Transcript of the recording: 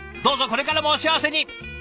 どうぞこれからもお幸せに！